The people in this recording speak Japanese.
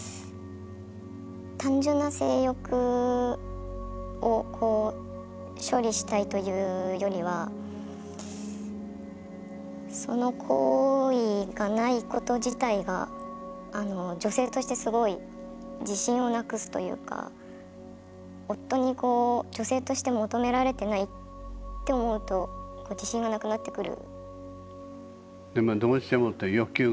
単純な性欲を処理したいというよりはその行為がないこと自体が女性としてすごい自信をなくすというか夫にこう女性として求められてないって思うと自信がなくなってくる。